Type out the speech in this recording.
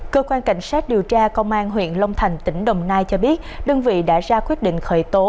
cơ quan cảnh sát điều tra công an huyện long thành tỉnh đồng nai cho biết đơn vị đã ra quyết định khởi tố